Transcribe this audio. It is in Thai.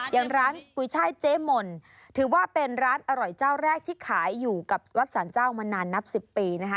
อย่างร้านกุยช่ายเจ๊มนถือว่าเป็นร้านอร่อยเจ้าแรกที่ขายอยู่กับวัดสรรเจ้ามานานนับ๑๐ปีนะคะ